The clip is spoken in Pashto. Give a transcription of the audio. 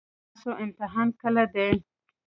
ستاسو امتحان کله دی؟